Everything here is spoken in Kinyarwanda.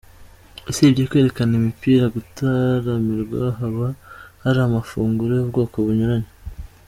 Usibye kwerekana imipira gutaramirwa haba hari n'amafunguro yubwoko bunyuranye.